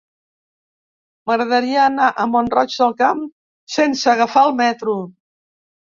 M'agradaria anar a Mont-roig del Camp sense agafar el metro.